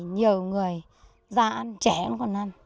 nhiều người già ăn trẻ vẫn còn ăn